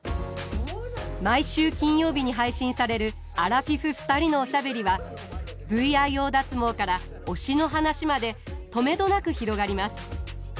毎週金曜日に配信されるアラフィフ２人のおしゃべりはＶＩＯ脱毛から推しの話までとめどなく広がります。